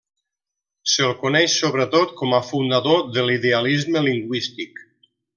Se'l coneix sobretot com a fundador de l'Idealisme lingüístic.